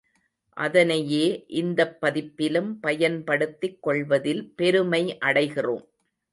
அதனையே இந்தப் பதிப்பிலும் பயன்படுத்திக் கொள்வதில் பெருமை அடைகிறோம்.